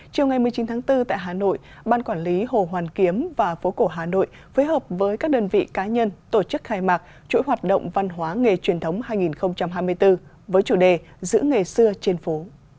chiều ngày một mươi chín tháng bốn tại hà nội ban quản lý hồ hoàn kiếm và phố cổ hà nội phối hợp với các đơn vị cá nhân tổ chức khai mạc chuỗi hoạt động văn hóa nghề truyền thống hai nghìn hai mươi bốn với chủ đề giữ nghề xưa trên phố